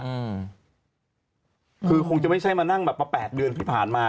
อืมคือคงจะไม่ใช่มานั่งแบบมาแปดเดือนที่ผ่านมา